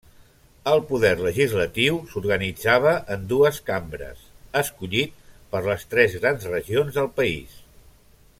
El poder legislatiu s'organitzava en dues cambres, escollit per les tres grans regions del país.